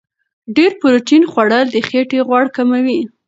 ډېر پروتین خوړل د خېټې غوړ کموي.